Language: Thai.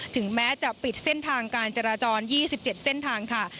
ถึงแม้จะปิดเส้นทางการจราจร๒๗เส้นทางค่ะ